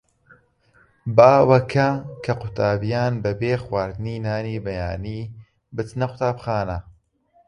باوە کە کە قوتابییان بەبێ خواردنی نانی بەیانی بچنە قوتابخانە.